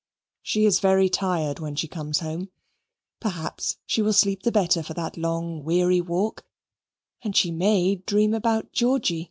She is very tired when she comes home. Perhaps she will sleep the better for that long weary walk, and she may dream about Georgy.